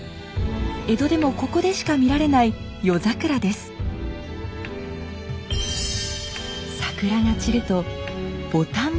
江戸でもここでしか見られない夜桜です。